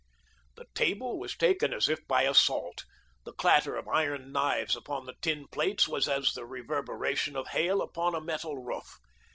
The table was taken as if by assault; the clatter of iron knives upon the tin plates was as the reverberation of hail upon a metal roof.